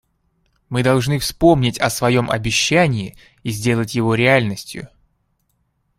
Мы должны вспомнить о своем обещании и сделать его реальностью.